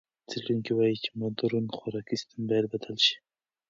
څېړونکي وايي چې مُدرن خوراکي سیستم باید بدل شي.